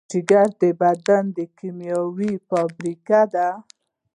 جگر د بدن کیمیاوي فابریکه ده.